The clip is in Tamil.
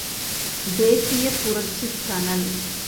தேசியப் புரட்சிக் கனல்!